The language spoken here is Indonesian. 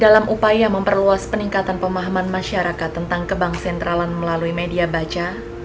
dalam upaya memperluas peningkatan pemahaman masyarakat tentang kebang sentralan melalui media baca